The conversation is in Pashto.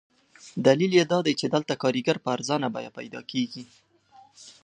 دلیل یې دادی چې دلته کارګر په ارزانه بیه پیدا کېږي.